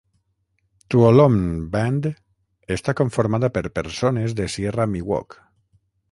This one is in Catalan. Tuolomne Band està conformada per persones de Sierra Miwok.